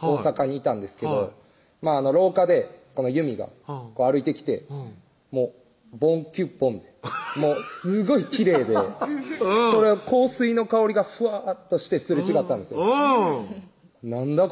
大阪にいたんですけど廊下でこの祐美が歩いてきてボンキュッボンですごいきれいで香水の香りがフワーッとしてすれ違ったんですなんだ